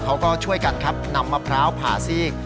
เขาก็ช่วยกันครับนำมะพร้าวผ่าซีก